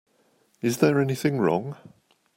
Is there anything wrong?